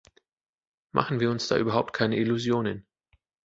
Machen wir uns da überhaupt keine Illusionen.